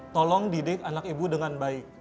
tolong didik anak ibu dengan baik